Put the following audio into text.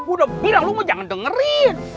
udah bilang lu mah jangan dengerin